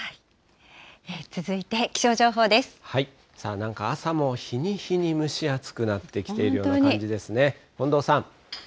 なんか朝も日に日に蒸し暑くなってきているような感じですね。